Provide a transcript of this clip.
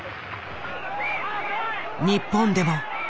日本でも。